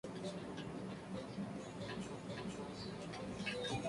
Estudió leyes en el Colegio Carolino de la ciudad de Puebla de los Ángeles.